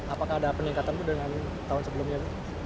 apakah ada peningkatan dengan tahun sebelumnya